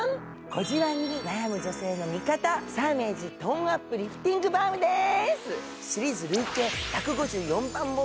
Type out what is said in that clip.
小じわに悩む女性の味方、サーメージトーンアップリフティングバームでーす。